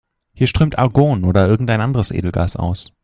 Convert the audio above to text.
Hier strömt Argon oder irgendein anderes Edelgas aus.